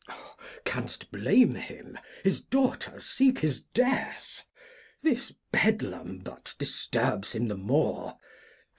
Glost. Can'st blame him? His Daughters seeks his Death ; this Bedlam but disturbs him the more.